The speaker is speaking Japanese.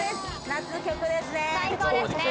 夏曲ですね。